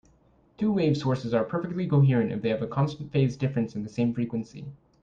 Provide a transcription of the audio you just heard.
Two-wave sources are perfectly coherent if they have a constant phase difference and the same frequency.